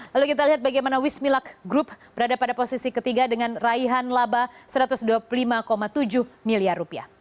lalu kita lihat bagaimana wismila group berada pada posisi ketiga dengan raihan laba satu ratus dua puluh lima tujuh miliar rupiah